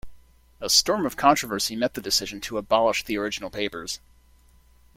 A storm of controversy met the decision to abolish the original papers.